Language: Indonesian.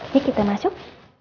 ya kita masuk